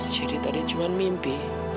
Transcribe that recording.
jadi tadi cuma mimpi